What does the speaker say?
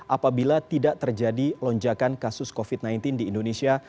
apabila tidak terjadi lonjakan kasus covid sembilan belas di indonesia